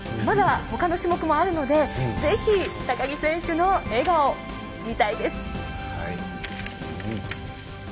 まだ、ほかの種目もあるのでぜひ、高木選手の笑顔が見たいです。